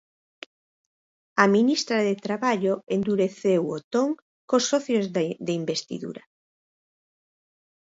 A ministra de Traballo endureceu o ton cos socios de investidura.